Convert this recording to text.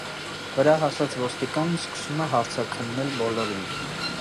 Վրա հասած ոստիկանն սկսում է հարցաքննել բոլորին։